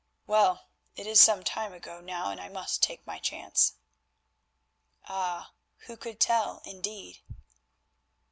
Well, it is some time ago now, and I must take my chance." Ah! who could tell indeed?